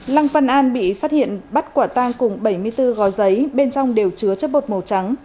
lăng văn an bị phát hiện bắt quả tang cùng bảy mươi bốn gói giấy bên trong đều chứa chất bột màu trắng